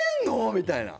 みたいな。